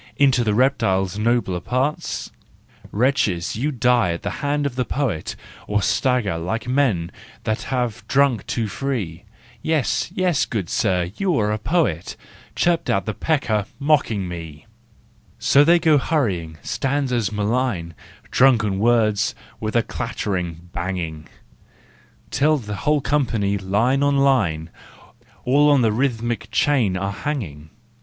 Into the reptile's nobler parts ! APPENDIX 359 Wretches, you die at the hand of the poet, Or stagger like men that have drunk too free. " Yes, yes, good sir, you are a poet," Chirped out the pecker, mocking me. So they go hurrying, stanzas malign, Drunken words—what a clattering, banging!— Till the whole company, line on line, All on the rhythmic chain are hanging.